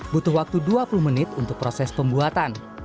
butuh waktu dua puluh menit untuk proses pembuatan